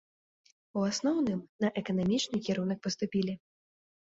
У асноўным, на эканамічны кірунак паступілі.